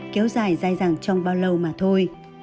kéo dài dài dài không có gì làm khác